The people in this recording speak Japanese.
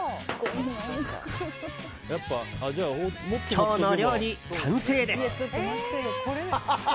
今日の料理、完成です。